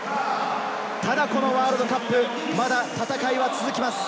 ただ、このワールドカップ、まだ戦いは続きます。